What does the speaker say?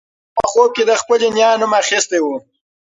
ماشوم په خوب کې د خپلې نیا نوم اخیستی و.